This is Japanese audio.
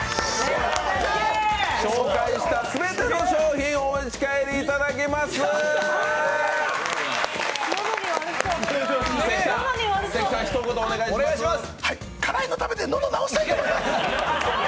紹介した全ての商品をお持ち帰りいただきます辛いの食べて、喉、治したいと思います。